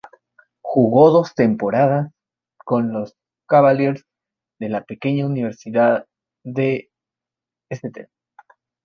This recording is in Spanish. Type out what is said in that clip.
Jugó dos temporadas con los "Cavaliers" de la pequeña Universidad de St.